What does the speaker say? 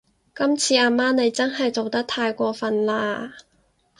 今次阿媽你真係做得太過份喇